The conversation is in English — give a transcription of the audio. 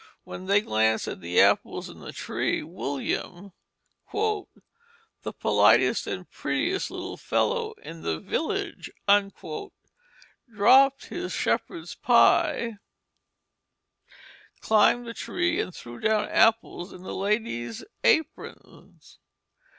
When they glanced at the apples in the tree William, "the politest and prettiest little fellow in the village," dropped his shepherd's pipe, climbed the tree, and threw down apples in the ladies' aprons.